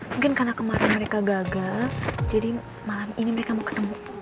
mungkin karena kemarin mereka gagal jadi malam ini mereka mau ketemu